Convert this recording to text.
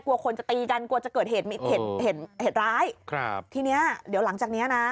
กลัวคนจะตีกันกลัวจะเกิดเหตุเหตุร้ายครับทีเนี้ยเดี๋ยวหลังจากเนี้ยนะ